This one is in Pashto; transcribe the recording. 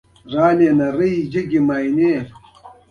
ټپي سړی له ډېرو کړاوونو تېرېږي.